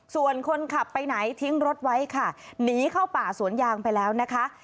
ส่วนคนขับไปไหนทิ้งรถไว้ค่ะหนีเข้าป่าสวนยางไปแล้วนะคะ